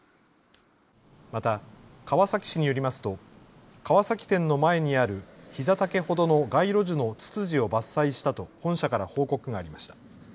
また川崎市によりますと川崎店の前にあるひざ丈ほどの街路樹のツツジを伐採したと本社から報告がありました。